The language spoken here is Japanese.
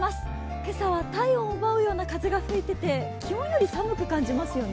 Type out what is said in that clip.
今朝は体温を奪うような風が吹いていて昨日より寒く感じますね。